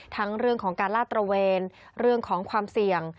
ทั้งเรื่องของการลาดตระเวนเรื่องของความเสี่ยง